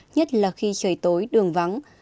nhất là khi trời tối đường vắng